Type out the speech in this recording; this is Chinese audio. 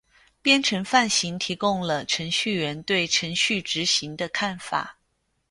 编程范型提供了程序员对程序执行的看法。